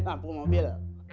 pake lampu mobil